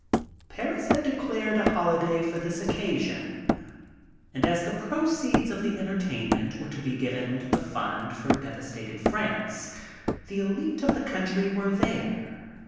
Paris had declared a holiday for this occasion, and as the proceeds of the entertainment were to be given to the fund for devastated France the elite of the country were there.